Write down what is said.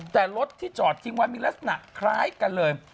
แต่รถที่จอดทิ้งไว้มีลักษณะคล้ายกันเลย